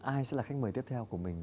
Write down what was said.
ai sẽ là khách mời tiếp theo của mình